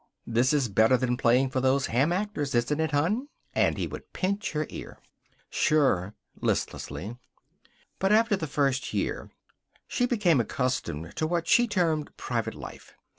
"This is better than playing for those ham actors, isn't it, hon?" And he would pinch her ear. "Sure" listlessly. But after the first year she became accustomed to what she termed private life.